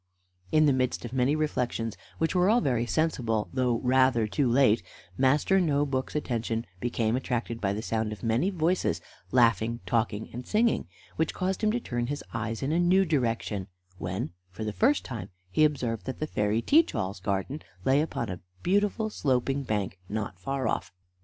In the midst of many reflections, which were all very sensible, though rather too late, Master No book's attention became attracted by the sound of many voices laughing, talking, and singing, which caused him to turn his eyes in a new direction, when, for the first time, he observed that the fairy Teach all's garden lay upon a beautiful sloping bank not far off.